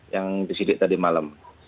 yang disidik tadi malam